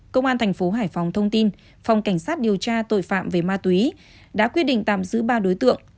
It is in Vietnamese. công an thành phố hải phòng thông tin phòng cảnh sát điều tra tội phạm về ma túy đã quyết định tạm giữ ba đối tượng